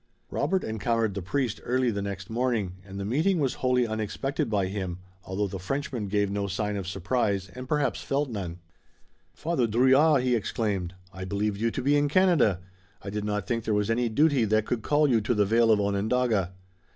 Robert encountered the priest early the next morning, and the meeting was wholly unexpected by him, although the Frenchman gave no sign of surprise and perhaps felt none. "Father Drouillard!" he exclaimed. "I believed you to be in Canada! I did not think there was any duty that could call you to the vale of Onondaga!"